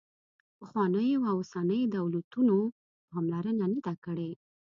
پخوانیو او اوسنیو دولتونو پاملرنه نه ده کړې.